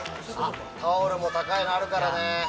タオルも高いのあるからね。